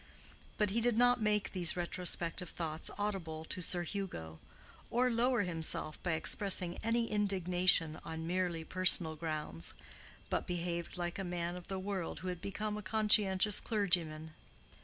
But he did not make these retrospective thoughts audible to Sir Hugo, or lower himself by expressing any indignation on merely personal grounds, but behaved like a man of the world who had become a conscientious clergyman.